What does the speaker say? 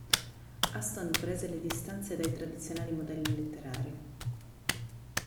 Aston prese le distanze anche dai tradizionali modelli letterari.